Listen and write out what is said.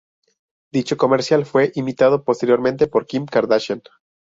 Dicho comercial fue imitado posteriormente por Kim Kardashian.